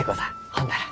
ほんなら。